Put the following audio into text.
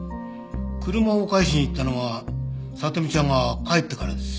車を返しに行ったのは聡美ちゃんが帰ってからです。